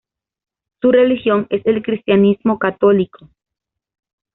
Su religión es el cristianismo católico.